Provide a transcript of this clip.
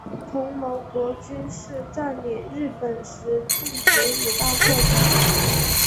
同盟国军事占领日本时禁止武道课程。